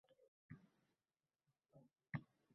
– Palakat oyoq ostida, deyishadi-ku